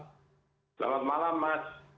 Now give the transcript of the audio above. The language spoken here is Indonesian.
selamat malam mas